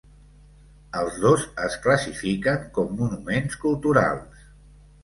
Els dos es classifiquen com monuments culturals.